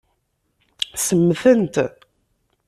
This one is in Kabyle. Semmtent.